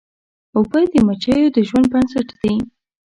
اوبه د مچیو د ژوند بنسټ دي.